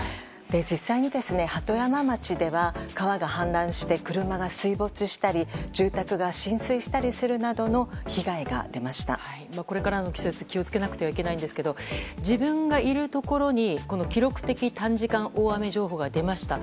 実際に鳩山町では川が氾濫して車が水没したり住宅が浸水したりするなどのこれからの季節気を付けなくてはいけないんですけど自分がいるところに記録的短時間大雨情報が出ました。